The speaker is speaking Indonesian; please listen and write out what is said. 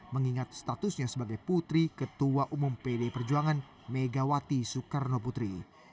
mengingat statusnya sebagai putri ketua umum pdi perjuangan megawati soekarno putri